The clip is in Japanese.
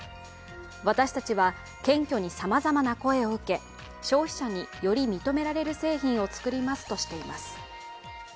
私たちは謙虚にさまざまな声を受け、消費者により認められる製品を作りますとしています。